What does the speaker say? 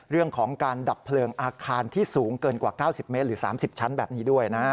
เรื่องของการดับเพลิงอาคารที่สูงเกินกว่า๙๐เมตรหรือ๓๐ชั้นแบบนี้ด้วยนะ